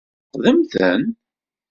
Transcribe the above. Tesfeqdem-ten?